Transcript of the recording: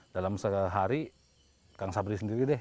dalam sehari kang sabri sendiri deh